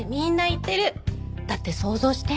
だって想像して。